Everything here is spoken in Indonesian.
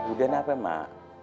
udah nih apa emak